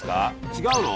違うの？